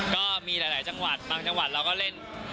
ก็มีหลายจังหวัดบางจังหวัดเราก็เล่น